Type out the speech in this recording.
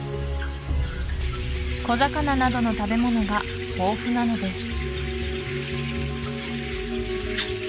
小魚などの食べ物が豊富なのです